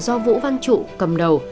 do vũ văn trụ cầm đầu